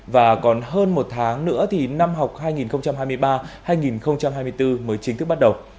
và còn hơn một tháng nữa thì năm học hai nghìn hai mươi ba hai nghìn hai mươi bốn mới chính thức bắt đầu